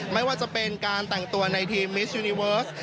ไม่ว่าจะเป็นการแต่งตัวในทีมมิสยูนิเวิร์ส